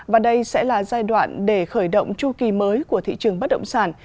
và đây sẽ là giai đoạn để khởi động chu kỳ mới của thị trường bất động sản